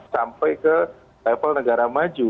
sampai ke level negara maju